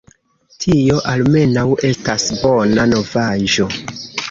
Tio almenaŭ estas bona novaĵo.